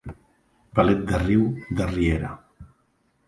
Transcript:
Palet de riu, de riera.